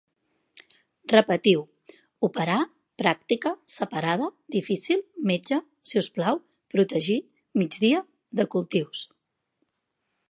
Repetiu: operar, pràctica, separada, difícil, metge, si us plau, protegir, migdia, de cultius